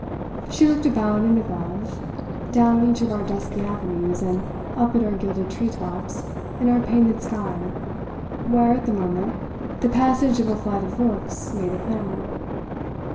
She looked about and above, down each of our dusky avenues and up at our gilded tree tops and our painted sky, where, at the moment, the passage of a flight of rooks made a clamour.